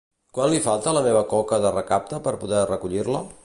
Quant li falta a la meva coca de recapte per poder recollir-la?